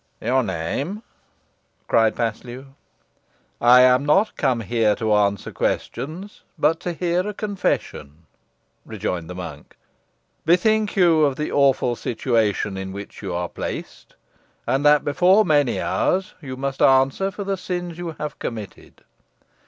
"Your name?" cried Paslew. "I am not come here to answer questions, but to hear a confession," rejoined the monk. "Bethink you of the awful situation in which you are placed, and that before many hours you must answer for the sins you have committed.